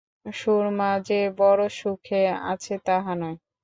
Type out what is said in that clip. সুরমা যে বড়ো সুখে আছে তাহা নয়।